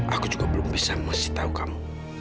aku juga belum bisa ngasih tahu kamu